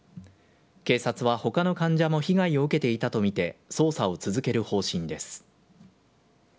警察はほかの患者も被害を受けていたと見て捜査を続ける方針です。